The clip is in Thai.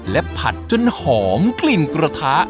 และผัดจนหอมกลิ่นกระทะ